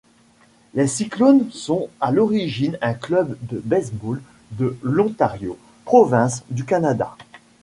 Les Cyclones sont à l'origine un club de baseball de l'Ontario, province du Canada.